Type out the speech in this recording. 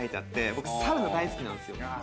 僕サウナ大好きなんですよ。